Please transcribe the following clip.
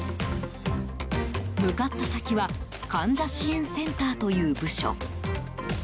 向かった先は患者支援センターという部署。